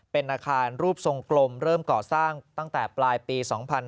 เป็นอาคารรูปทรงกลมเริ่มก่อสร้างตั้งแต่ปลายปี๒๕๕๙